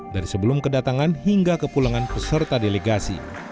dari sebelum kedatangan hingga kepulangan peserta delegasi